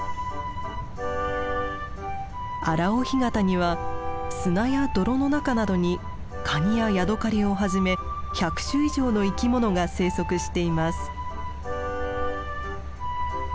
荒尾干潟には砂や泥の中などにカニやヤドカリをはじめ１００種以上の生き物が生息しています。